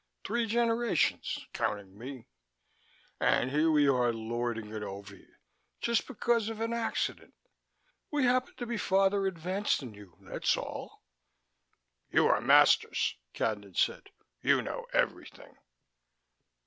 Three generations, counting me. And here we are lording it over you, just because of an accident. We happen to be farther advanced than you, that's all." "You are masters," Cadnan said. "You know everything."